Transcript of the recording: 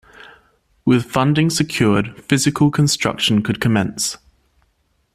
With funding secured, physical construction could commence.